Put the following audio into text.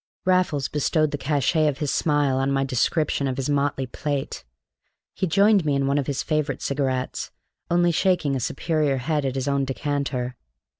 Raffles bestowed the cachet of his smile on my description of his motley plate. He joined me in one of his favorite cigarettes, only shaking a superior head at his own decanter.